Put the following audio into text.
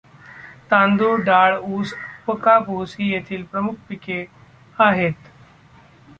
तांदूळ, डाळ, ऊस व कापूस ही येथील प्रमुख पिके आहेत.